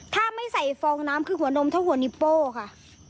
ถ้าไม่ใส่ฟองน้ำคือหัวนมเท่าหัวนิโป้ค่ะ